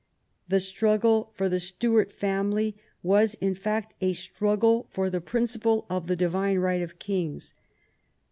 The struggle for the Stuart family was, in fact, a struggle for the principle of the divine right of kings.